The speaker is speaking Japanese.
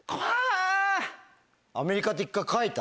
「アメリカ」って一回書いた。